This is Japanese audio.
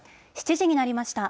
７時になりました。